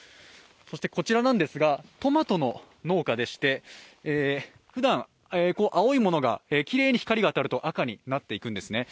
こちらはトマト農家でして、ふだん青いものがきれいに光が当たると赤になっていくんですね。